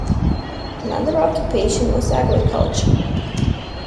Another occupation was agriculture.